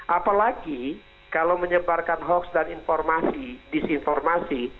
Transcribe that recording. apalagi kalau menyebarkan hoaks dan informasi disinformasi